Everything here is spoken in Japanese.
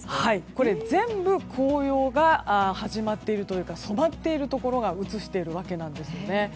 これ全部紅葉が始まっているというか染まっているところを写しているわけですね。